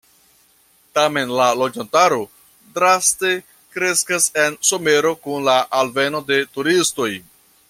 Tamen la loĝantaro draste kreskas en somero kun la alveno de turistoj.